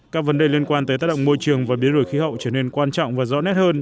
các vấn đề liên quan tới tác động môi trường và biến đổi khí hậu trở nên quan trọng và rõ nét hơn